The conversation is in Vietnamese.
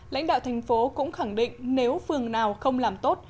lãnh đạo thành phố cũng khẳng định nếu phường nào không làm tốt